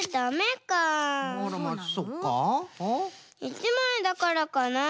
１まいだからかなあ。